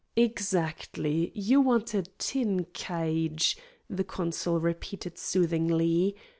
"Exactly. You want a tin cage," the consul repeated soothingly.